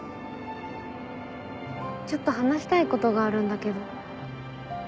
ちょっと話したいことがあるんだけど。